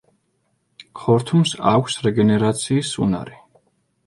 ხორთუმს აქვს რეგენერაციის უნარი.